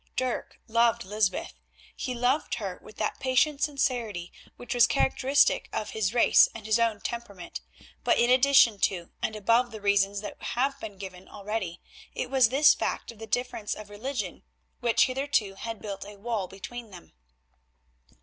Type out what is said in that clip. Dirk loved Lysbeth; he loved her with that patient sincerity which was characteristic of his race and his own temperament, but in addition to and above the reasons that have been given already it was this fact of the difference of religion which hitherto had built a wall between them.